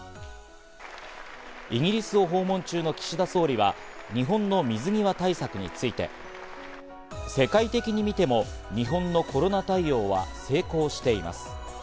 イギリスを訪問中の岸田総理は日本の水際対策について、世界的に見ても日本のコロナ対応は成功しています。